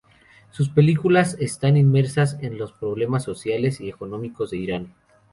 Sus películas están inmersas en los problemas sociales y económicos de Irán.